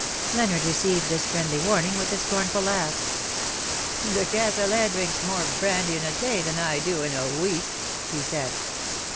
Leonard received this friendly warning with a scornful laugh. " De Cazalet drinks more brandy in a day than I do in a week," he said.